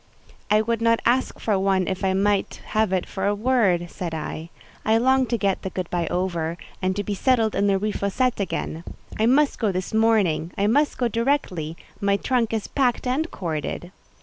"I would not ask for one if I might have it for a word," said I. "I long to get the good by over, and to be settled in the Rue Fossette again. I must go this morning: I must go directly; my trunk is packed and corded."